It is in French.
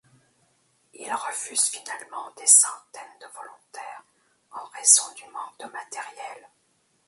Il refuse finalement des centaines de volontaires en raison du manque de matériel.